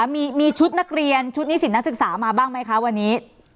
มีชุดนักเรียนชุดนิสิตนักศึกษามาบ้างไหมคะวันนี้